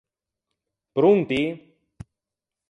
Pronti?